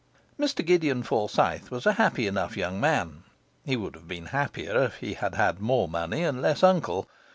Mr Gideon Forsyth was a happy enough young man; he would have been happier if he had had more money and less uncle.